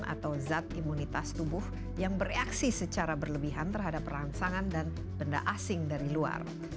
atau zat imunitas tubuh yang bereaksi secara berlebihan terhadap rangsangan dan benda asing dari luar